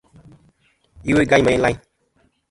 Iwo-i gayn meyn layn.